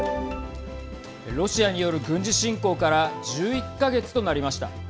ロシアによる軍事侵攻から１１か月となりました。